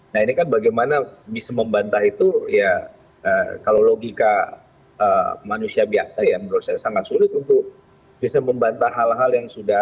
nah ini kan bagaimana bisa membantah itu ya kalau logika manusia biasa ya menurut saya sangat sulit untuk bisa membantah hal hal yang sudah